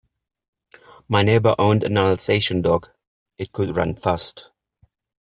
My neighbour owned an Alsatian dog, it could run fast.